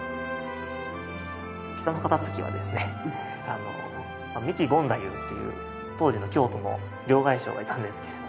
北野肩衝はですね三木権太夫という当時の京都の両替商がいたんですけれども。